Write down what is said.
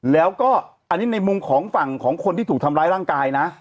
แล้วก็อันนี้ในมุมของฝั่งของคนที่ถูกทำร้ายร่างกายนะ